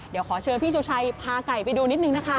เดี๋ยวขอเชิญพี่สุชัยพาไก่ไปดูนิดนึงนะคะ